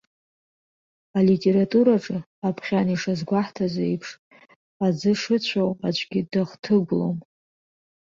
Алитератураҿы, аԥхьан ишазгәаҳҭаз еиԥш, аӡы шыцәоу аӡәгьы дахҭыгәлом.